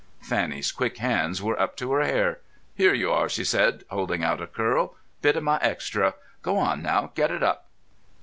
Fanny's quick hands were up to her hair. "Here you are," she said, holding out a curl. "Bit of my extra. Go on now. Get it up."